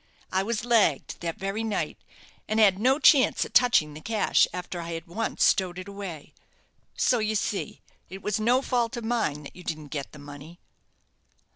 I was lagged that very night, and had no chance of touching the cash after I had once stowed it away. So, you see, it was no fault of mine that you didn't get the money."